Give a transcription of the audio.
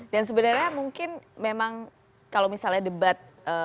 dan sebenarnya mungkin memang kalau misalnya debat